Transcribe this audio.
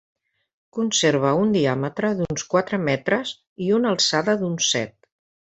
Conserva un diàmetre d'uns quatre metres i una alçada d'uns set.